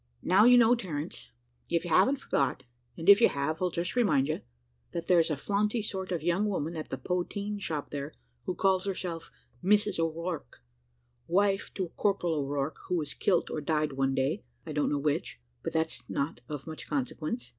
"Now, you know, Terence, if you haven't forgot and if you have, I'll just remind you that there's a flaunty sort of young woman at the poteen shop there, who calls herself Mrs O'Rourke, wife to a corporal O'Rourke, who was kilt or died one day, I don't know which, but that's not of much consequence.